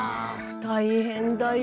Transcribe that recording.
大変だよ